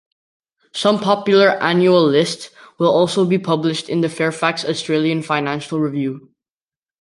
Some popular annual lists will also be published in Fairfax's "The Australian Financial Review".